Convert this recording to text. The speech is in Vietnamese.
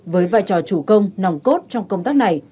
với vai trò chủ công nòng cốt trong công tác này